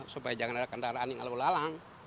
supaya jangan ada kendaraan yang lalu lalang